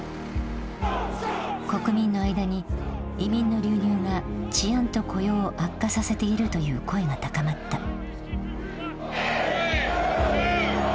国民の間に移民の流入が治安と雇用を悪化させているという声が高まった。